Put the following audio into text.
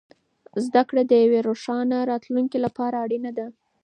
زده کړه د یوې روښانه راتلونکې لپاره اړینه ده.